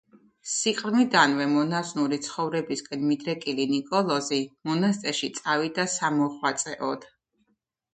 სიყრმიდანვე მონაზვნური ცხოვრებისკენ მიდრეკილი ნიკოლოზი მონასტერში წავიდა სამოღვაწეოდ.